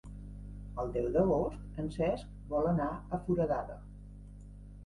El deu d'agost en Cesc vol anar a Foradada.